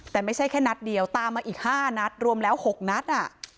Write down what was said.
แต่ไม่ใช่แค่นัดเดียวตามมาอีก๕นัดรวมแล้ว๖นัด